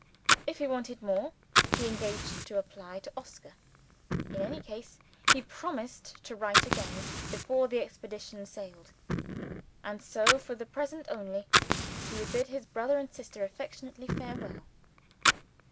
If he wanted more, he engaged to apply to Oscar. In any case, he promised to write again, before the expedition sailed. And so, for the present only, he would bid his brother and sister affectionately farewell.